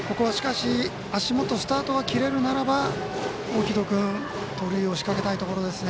足元スタートが切れるなら大城戸君盗塁を仕掛けたいところです。